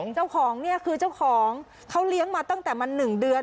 เจ้าของเนี่ยคือเจ้าของเขาเลี้ยงมาตั้งแต่มัน๑เดือน